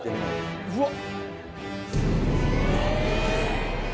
うわっ！